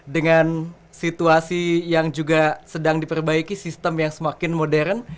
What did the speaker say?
dengan situasi yang juga sedang diperbaiki sistem yang semakin modern